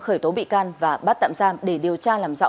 khởi tố bị can và bắt tạm giam để điều tra làm rõ